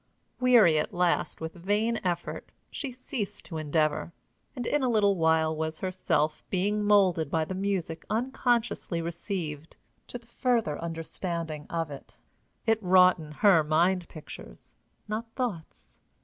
Weary at last with vain effort, she ceased to endeavor, and in a little while was herself being molded by the music unconsciously received to the further understanding of it. It wrought in her mind pictures, not thoughts.